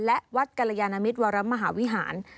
และวัดกรยานมิตรวรมหาวิหาร